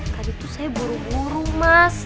tadi itu saya buru buru mas